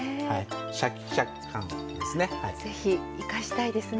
シャキシャキ感ですね。